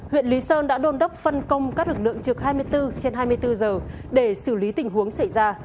huyện lý sơn đã đôn đốc phân công các lực lượng trực hai mươi bốn trên hai mươi bốn giờ để xử lý tình huống xảy ra